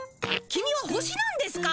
キミは星なんですか。